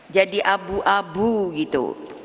jadi abu abu gitu